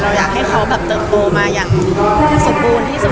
เราอยากให้เขาเปิดโตมาอย่างสุดภูมิที่สุด